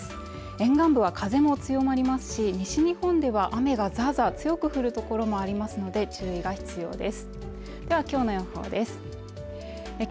沿岸部は風も強まりますし、西日本では雨がザーザー強く降るところもありますので注意が必要です。